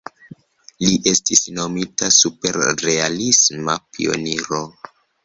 Li estis nomita "superrealisma pioniro".